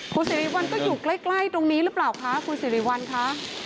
คุณสิริวัลก็อยู่ใกล้ตรงนี้หรือเปล่าคะคุณสิริวัลคะ